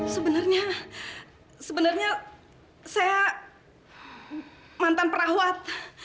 sebenernya sebenernya saya mantan perawat